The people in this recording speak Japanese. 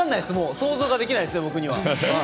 想像ができないですね、僕には。